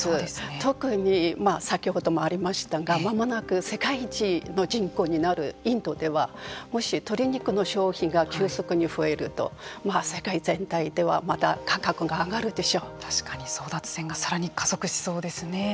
特に先ほどもありましたがまもなく世界一の人口になるインドではもし鶏肉の消費が急速に増えると世界全体では争奪戦がさらに加速しそうですね。